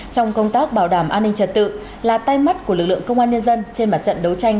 trong công tác bảo đảm an ninh trật tự là tay mắt của lực lượng công an nhân dân trên mặt trận đấu tranh